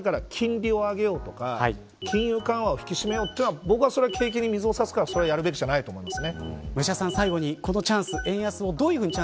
だから変に、こういう状況だから金利を上げようとか金融緩和を引き締めようというのは僕は、それは景気に水を差すからやるべきじゃないと思います。